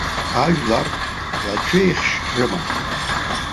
Ажәлар лацәеихьшь рымам.